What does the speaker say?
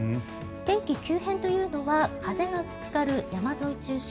天気、急変というのは風がぶつかる山沿い中心。